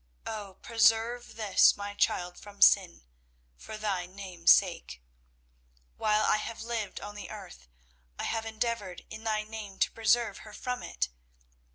Oh, preserve this my child from sin, for Thy Name's sake. While I have lived on the earth, I have endeavoured in Thy name to preserve her from it.